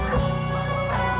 oh ini dia